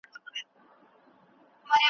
آیا د کلي ژوند د ښار له ژونده ډېر ارام نه دی؟